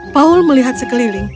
paul melihat sekeliling